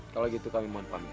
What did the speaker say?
kalau gitu kami mohon paham